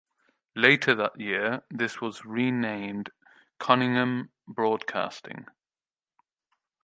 Later that year, this was renamed Cunningham Broadcasting.